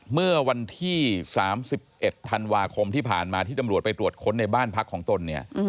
เมื่อวันที่๓๑ธันวาคมที่ผ่านมาที่ตำรวจไปตรวจค้นในบ้านพักของตนเนี่ย